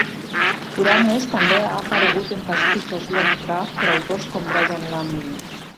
Kuranes també ha aparegut en pastitxos Lovecraft per autors com Brian Lumley.